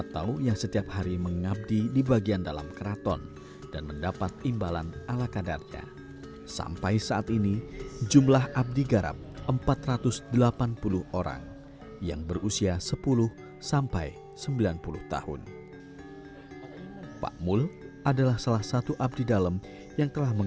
melakukan orientasi medan atau gladi menjelang kirab bersama pusaka lain